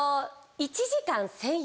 １時間１０００円？